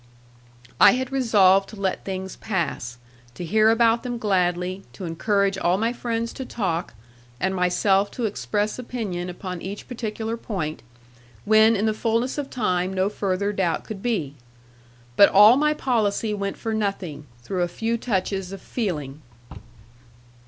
I had resolved to let things pass, to hear about them gladly, to encourage all my friends to talk, and myself to express opinion upon each particular point, when in the fullness of time no further doubt could be. But all my policy went for nothing, through a few touches of feeling.